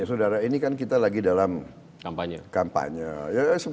saudara ini kan kita lagi dalam kampanye